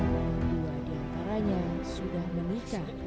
dua di antaranya sudah menikah